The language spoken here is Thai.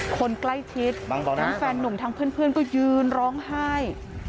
คนใกล้ชิดทั้งแฟนหนุ่มทั้งเพื่อนก็ยืนร้องไห้